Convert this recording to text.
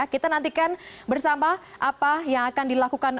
kita nantikan bersama apa yang akan dilakukan